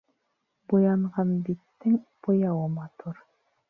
Буянған биттең буяуы матур